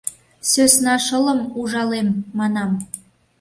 — Сӧсна шылым ужалем, манам.